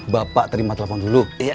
bapak terima telepon dulu